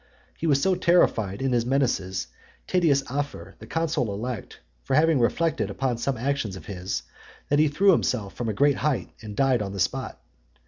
He so terrified with his menaces Tedius Afer, the consul elect , for having reflected upon some action of his, that he threw himself from a great height, and died on the spot.